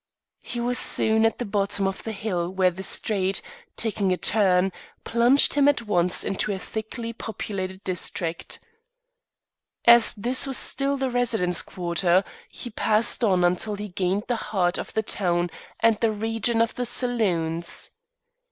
He was soon at the bottom of the hill where the street, taking a turn, plunged him at once into a thickly populated district. As this was still the residence quarter, he passed on until he gained the heart of the town and the region of the saloons.